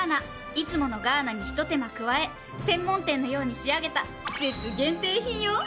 いつものガーナにひと手間加え専門店のように仕上げた。